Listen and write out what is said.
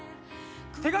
『手紙』。